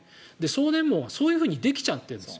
送電網はそういうふうにできちゃっているんです。